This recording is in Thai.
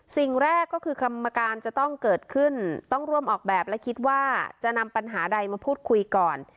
สิ่งแรกก็คือกรรมการจะต้องเกิดขึ้นต้องร่วมออกแบบและคิดว่าจะนำปัญหาใดมาพูดคุยก่อน